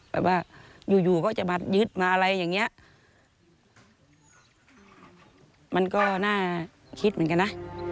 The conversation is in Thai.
แบบว่าอยู่อยู่ก็จะมายึดมาอะไรอย่างเงี้ยมันก็น่าคิดเหมือนกันนะ